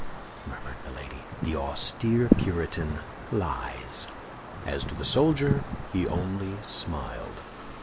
murmured Milady; "the austere Puritan lies." As to the soldier, he only smiled.